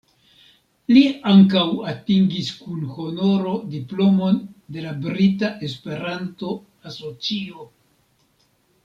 Li ankaŭ atingis kun honoro diplomon de la Brita Esperanto-Asocio.